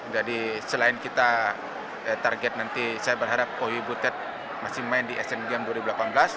jadi selain kita target nanti saya berharap oi butet masih main di asian games dua ribu delapan belas